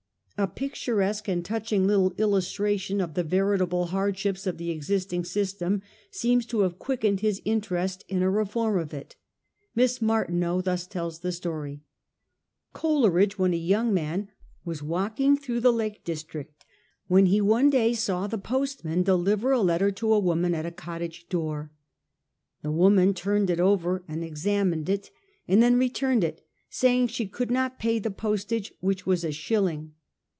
A picturesque and touching little illustration of the veritable hardships of the existing system seems to have quickened his interest in a reform of it. Miss Martineau thus tells the story :— 'Coleridge, when a young man, was walking through the Lake district, when he one day saw the postman deliver a letter to a woman at a cottage door. The woman turned it over and examined it, and then returned it, saying she could not pay the postage, which was a shilling.